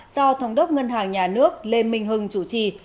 của bộ quốc ngân hàng nhà nước lê minh hưng chủ trì